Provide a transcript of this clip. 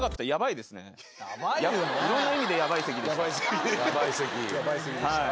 いろんな意味でヤバい席でした。